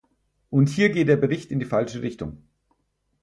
Und hier geht der Bericht in die falsche Richtung.